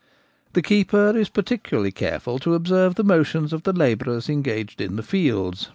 The keeper is particularly careful to observe the motions of the labourers engaged in the fields